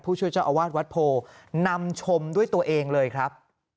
ช่วยเจ้าอาวาสวัดโพนำชมด้วยตัวเองเลยครับ